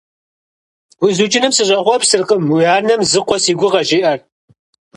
УзукӀыным сыщӀэхъуэпсыркъым, уи анэм зы къуэ си гугъэщ иӀэр…